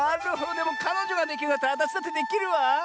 でもかのじょができるんだったらあたしだってできるわ。